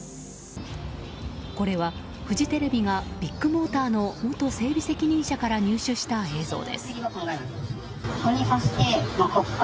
これは、フジテレビがビッグモーターの元整備責任者から入手した映像です。